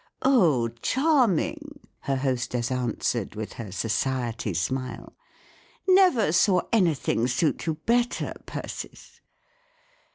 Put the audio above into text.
"Oh, charming!" her hostess answered, with her society smile. " Never saw any¬ thing suit you better, Persis."